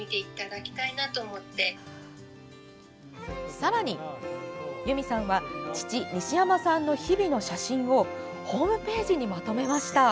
さらに、由美さんは父・西山さんの日々の写真をホームページにまとめました。